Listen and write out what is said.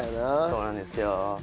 そうなんですよ。